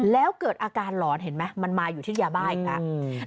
แล้วเกิดอาการหลอนเห็นไหมมันมาอยู่ที่ยาบ้าอีกแล้ว